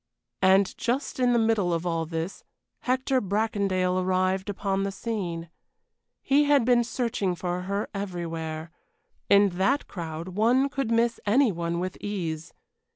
And just in the middle of all this, Hector Bracondale arrived upon the scene. He had been searching for her everywhere; in that crowd one could miss any one with ease.